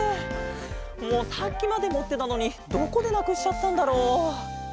もうさっきまでもってたのにどこでなくしちゃったんだろう？